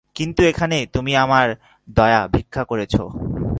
কিন্তু এখানে তুমি আমার দয়া ভিক্ষা করেছ।